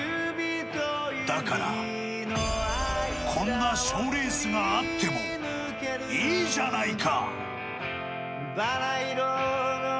だから、こんな賞レースがあってもいいじゃないか。